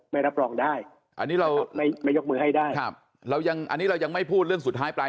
ไม่รับรองได้อันนี้เราไม่ยกมือให้ได้ครับเรายังอันนี้เรายังไม่พูดเรื่องสุดท้ายปลาย